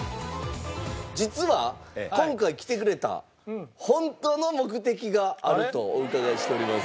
実は今回来てくれた本当の目的があるとお伺いしております。